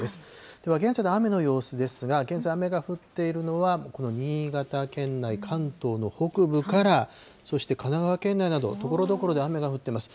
では現在の雨の様子ですが、現在、雨が降っているのは新潟県内、関東の北部から、そして神奈川県内など、ところどころで雨が降ってます。